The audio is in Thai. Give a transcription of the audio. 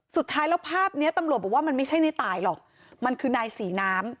สุดท้ายแล้วภาพเนี้ยตำรวจบอกว่ามันไม่ใช่ในตายหรอกมันคือนายศรีน้ำ